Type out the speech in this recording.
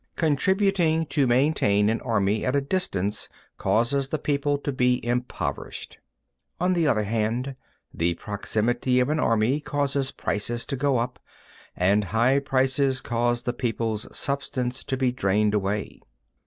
Contributing to maintain an army at a distance causes the people to be impoverished. 11. On the other hand, the proximity of an army causes prices to go up; and high prices cause the people's substance to be drained away.